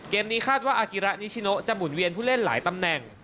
นี้คาดว่าอากิระนิชิโนจะหุ่นเวียนผู้เล่นหลายตำแหน่ง